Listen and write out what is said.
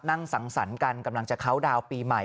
นั่งสังสรรค์กันกำลังจะเข้าดาวน์ปีใหม่